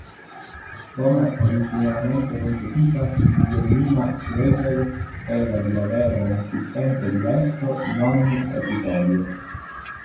Come originariamente concepita, Wilhelmina Slater era di avere un assistente diverso in ogni episodio.